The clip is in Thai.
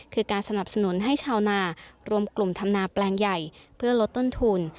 คือการสนับสนุนให้ชาวนารวมกลุ่มทำนาแปลงใหญ่เพื่อลดต้นทุน